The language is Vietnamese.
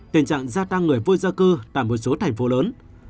tình trạng gia tăng người vô gia cư tại một số thành phố lớn